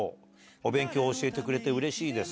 お勉強を教えてくれてうれしいです。